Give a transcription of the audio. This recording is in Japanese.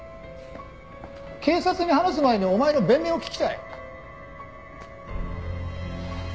警察に話す前にお前の弁明を聞きたい。